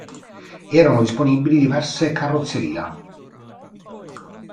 Erano disponibili diverse carrozzeria.